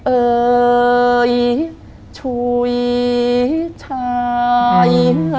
เอ่ยช่วยชาย